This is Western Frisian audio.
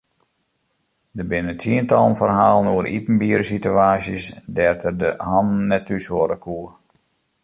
Der binne tsientallen ferhalen oer iepenbiere situaasjes dêr't er de hannen net thúshâlde koe.